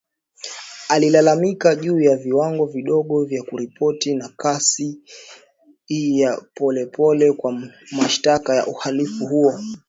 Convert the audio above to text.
alilalamika juu ya viwango vidogo vya kuripoti na kasi ya pole pole kwa mashtaka ya uhalifu huo